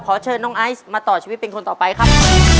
เชิญน้องไอซ์มาต่อชีวิตเป็นคนต่อไปครับ